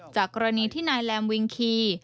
จากกรณีที่นายแรมวิงคี